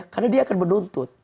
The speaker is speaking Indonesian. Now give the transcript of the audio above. karena dia akan menuntut